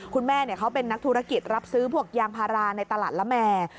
คุณแม่เขาเป็นนักธุรกิจรับซื้อพวกยางพาราในตลาดละแม่